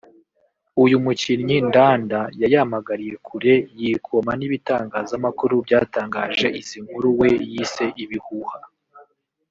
uyu mukinnyi Ndanda yayamaganiye kure yikoma n’ibitangazamakuru byatangaje izi nkuru we yise ibihuha